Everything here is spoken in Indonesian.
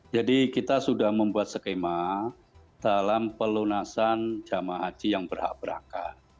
jadi kita sudah membuat skema dalam pelunasan jemaah haji yang berhak berhak